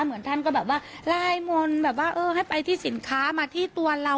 เหมือนท่านก็แบบว่าลายมนต์แบบว่าเออให้ไปที่สินค้ามาที่ตัวเรา